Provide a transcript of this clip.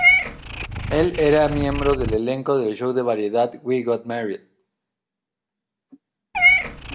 Él era un miembro del elenco del show de variedad "We Got Married".